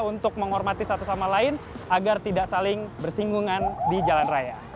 untuk menghormati satu sama lain agar tidak saling bersinggungan di jalan raya